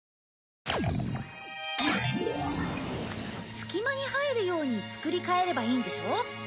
隙間に入るように作り替えればいいんでしょ？